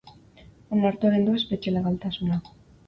Onartu egin du espetxe legaltasuna.